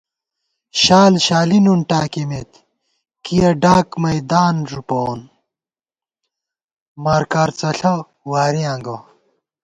شال شالی نُن ٹاکِمېت کِیَہ ڈاک میدان ݫُپَوون مارکارڅݪہ وارِیاں گہ